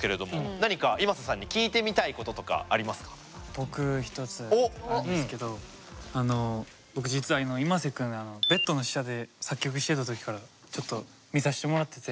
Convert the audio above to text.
僕１つあるんですけど僕実はｉｍａｓｅ君ベッドの下で作曲してた時からちょっと見さしてもらってて。